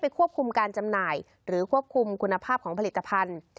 ควบคุมการจำหน่ายหรือควบคุมคุณภาพของผลิตภัณฑ์